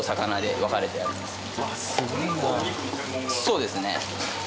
そうですね。